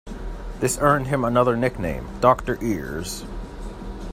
This earned him another nickname, Doctor Ears.